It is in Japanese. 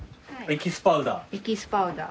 エキスパウダー。